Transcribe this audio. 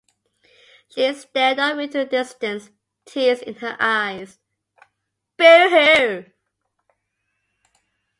She stared off into the distance, tears in her eyes.